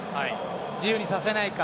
自由にさせないか。